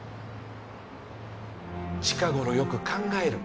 近頃よく考える。